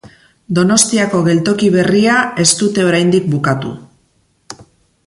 Donostiako geltoki berria ez dute oraindik bukatu.